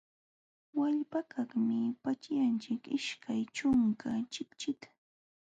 Wallpakaqmi paćhyaqchik ishkay ćhunka chipchita.